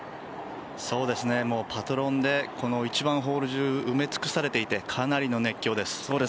もうパトロンで１番ホール中埋め尽くされていてかなりの熱狂です。